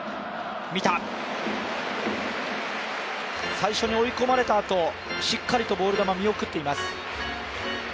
最初に追い込まれたあとしっかりボール球見送っています。